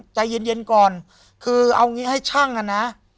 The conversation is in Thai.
ใจเย็นก่อนคือเอางี้ให้ช่างอ่ะนะ